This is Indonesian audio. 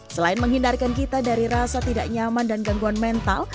selain menghindarkan kita dari rasa tidak nyaman dan gangguan mental